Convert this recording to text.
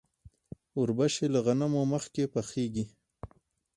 وربشې له غنمو مخکې پخیږي.